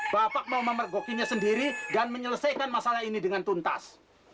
bapak mau memergokinya sendiri dan menyelesaikan masalah ini dengan tuntas